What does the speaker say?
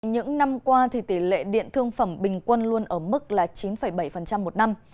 những năm qua thì tỷ lệ điện thương phẩm bình quân luôn ở mức là chín bảy một năm